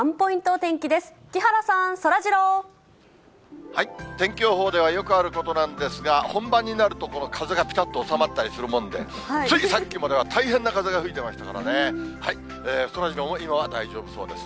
天気予報ではよくあることなんですが、本番になると、この風がぴたっと収まったりするもんで、ついさっきまでは大変な風が吹いてましたからね、そらジローも今は大丈夫そうですね。